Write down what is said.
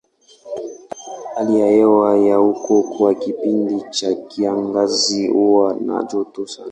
Hali ya hewa ya huko kwa kipindi cha kiangazi huwa na joto sana.